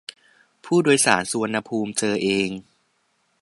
ผู้โดยสารสุวรรณภูมิเจอเอง